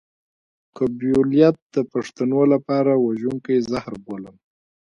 قبيلويت د پښتنو لپاره وژونکی زهر بولم.